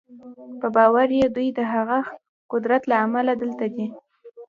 په باور یې دوی د هغه قدرت له امله دلته دي